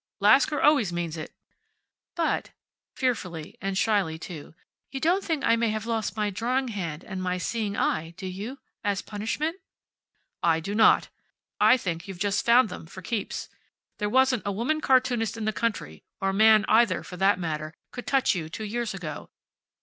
"Lasker always means it." "But," fearfully, and shyly, too, "you don't think I may have lost my drawing hand and my seeing eye, do you? As punishment?" "I do not. I think you've just found them, for keeps. There wasn't a woman cartoonist in the country or man, either, for that matter could touch you two years ago.